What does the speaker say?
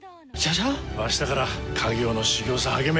明日から家業の修行さ、励め。